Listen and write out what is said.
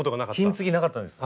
金継ぎなかったんです。